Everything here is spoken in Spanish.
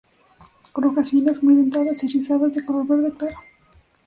Con hojas finas, muy dentadas y rizadas de color verde claro.